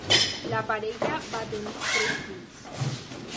La parella va tenir tres fills.